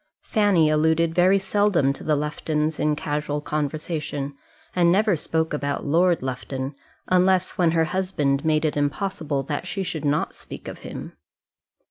Fanny alluded very seldom to the Luftons in casual conversation, and never spoke about Lord Lufton, unless when her husband made it impossible that she should not speak of him.